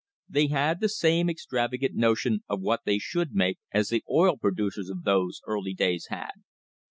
They had the same extrava gant notion of what they should make as the oil producers of those early days had.